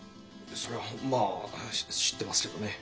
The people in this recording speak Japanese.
それはまあ知ってますけどね。